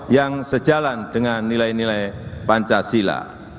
yang sejalan dengan nilai nilai pancasila